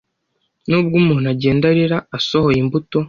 Nubwo umuntu agenda arira asohoye imbuto